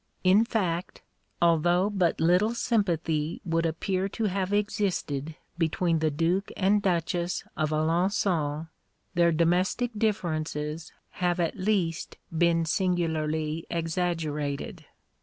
In fact, although but little sympathy would appear to have existed between the Duke and Duchess of Alençon, their domestic differences have at least been singularly exaggerated.